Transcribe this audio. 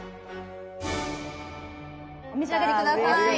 お召し上がり下さい。